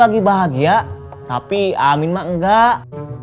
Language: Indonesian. aku bahagia tapi amin enggak